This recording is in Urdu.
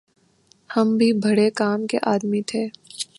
ہم بھی بھڑے کام کے آدمی تھے